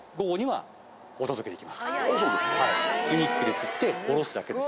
はい。